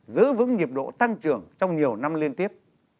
giữ vững nhiệm độ tăng trưởng trong nhiều năm liên tiếp